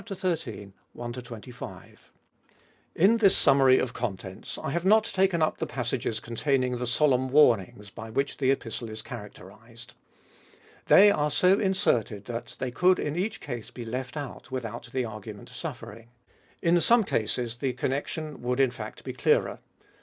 1 25). IFbe Doliest of Hit 25 In this summary of contents I have not taken up the passages containing the solemn warnings by which the Epistle is charac terised. They are so inserted that they could in each case be left out, without the argument suffering. In some cases, the connection would in fact be clearer.